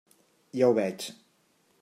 Ja ho veig.